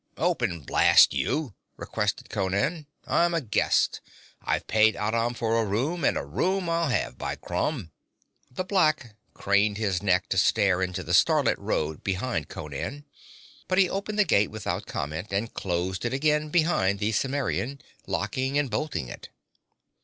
'Open, blast you,' requested Conan. 'I'm a guest. I've paid Aram for a room, and a room I'll have, by Crom!' The black craned his neck to stare into the starlit road behind Conan; but he opened the gate without comment, and closed it again behind the Cimmerian, locking and bolting it.